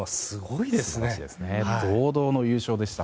堂々の優勝でした。